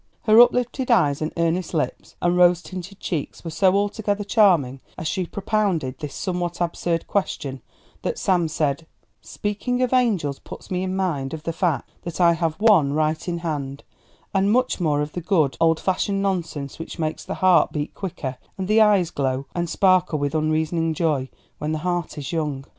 Her uplifted eyes and earnest lips and rose tinted cheeks were so altogether charming as she propounded this somewhat absurd question that Sam said, "Speaking of angels puts me in mind of the fact that I have one right in hand," and much more of the good, old fashioned nonsense which makes the heart beat quicker and the eyes glow and sparkle with unreasoning joy when the heart is young.